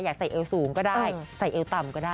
อยากใส่เอวสูงก็ได้ใส่เอวต่ำก็ได้